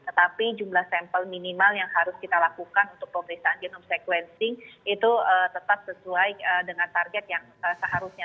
tetapi jumlah sampel minimal yang harus kita lakukan untuk pemeriksaan genome sequencing itu tetap sesuai dengan target yang seharusnya